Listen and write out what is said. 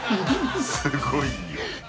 すごいよ。